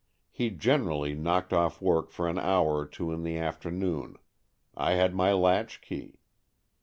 He generally knocked off work for an hour or two in the afternoon. I had my latchkey.